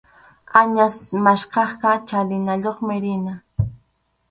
Añas maskaqqa chalinayuqmi rina.